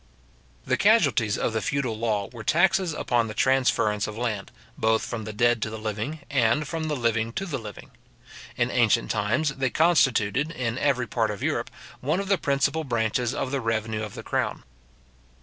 The casualties of the feudal law were taxes upon the transference of land, both from the dead to the living, and from the living to the living. In ancient times, they constituted, in every part of Europe, one of the principal branches of the revenue of the crown.